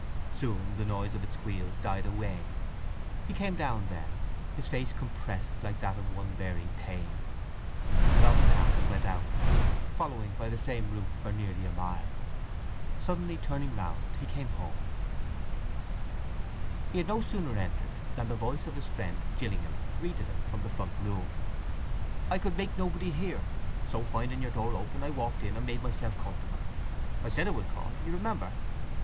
Soon the noise of its wheels died away. He came down then, his face compressed like that of one bearing pain; he put on his hat and went out, following by the same route for nearly a mile. Suddenly turning round he came home. He had no sooner entered than the voice of his friend Gillingham greeted him from the front room. "I could make nobody hear; so finding your door open I walked in, and made myself comfortable. I said I would call, you remember."